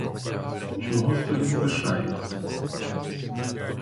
Чого ж то він пишається?